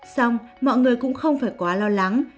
xong mọi người cũng không phải quá lo lắng